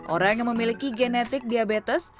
orang yang memiliki genetik diabetes